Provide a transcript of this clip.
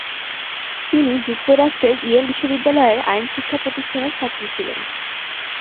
তিনি যুক্তরাষ্ট্রের ইয়েল বিশ্ববিদ্যালয়ের আইন শিক্ষা প্রতিষ্ঠানের ছাত্রী ছিলেন।